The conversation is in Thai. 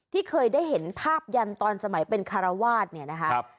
ที่เคยได้เห็นภาพยันตอนสมัยเป็นคารวาสเนี่ยนะครับ